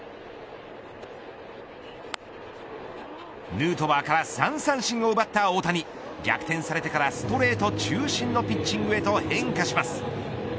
ヌートバーから３三振を奪った大谷。逆転されてからストレート中心のピッチングへと変化します。